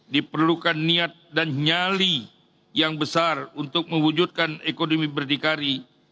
diperlukan niat dan nyali yang besar untuk mewujudkan ekonomi berdikari